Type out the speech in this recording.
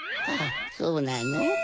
そうなの？